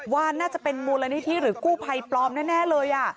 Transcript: ว่าน่าจะเป็นมูลนิธิหรือกู้ภัยปลอมแน่เลย